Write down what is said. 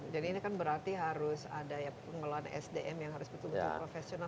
jadi ini kan berarti harus ada pengelolaan sdm yang harus betul betul profesional